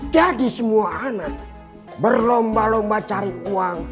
jadi semua anak berlomba lomba cari uang